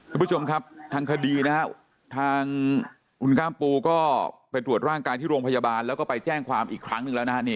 คุณผู้ชมครับทางคดีนะฮะทางคุณกล้ามปูก็ไปตรวจร่างกายที่โรงพยาบาลแล้วก็ไปแจ้งความอีกครั้งหนึ่งแล้วนะฮะ